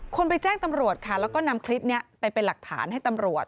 คนไปแจ้งตำรวจค่ะแล้วก็นำคลิปนี้ไปเป็นหลักฐานให้ตำรวจ